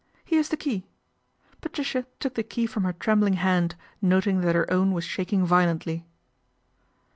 " Here's the key." Patricia took the key from her trembling hand, noting that her own was shaking violently.